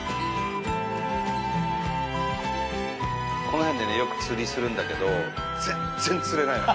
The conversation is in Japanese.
この辺でねよく釣りするんだけど全然釣れないの。